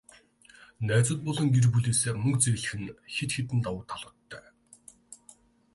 Найзууд болон гэр бүлээсээ мөнгө зээлэх нь хэд хэдэн давуу талуудтай.